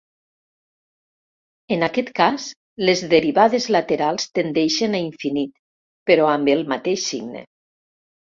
En aquest cas, les derivades laterals tendeixen a infinit però amb el mateix signe.